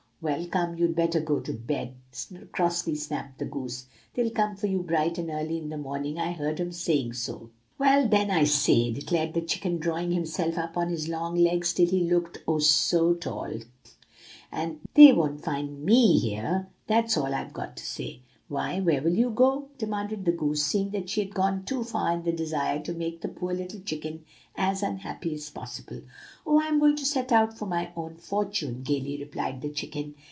"'Well, come, you'd better go to bed!' crossly snapped the goose; 'they'll come for you bright and early in the morning. I heard 'em saying so.' "'Well! then I say,' declared the chicken, drawing himself up on his long legs till he looked, oh, so tall! 'they won't find me here; that's all I've got to say!' "'Why, where will you go?' demanded the goose, seeing that she had gone too far in the desire to make the poor little chicken as unhappy as possible. "'Oh, I'm going to set out for my own fortune!' gayly replied the chicken.